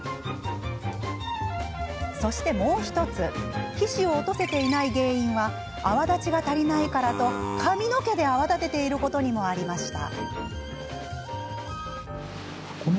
そして、もう１つ皮脂を落とせていない原因は泡立ちが足りないからと髪の毛で泡立てていることにもありました。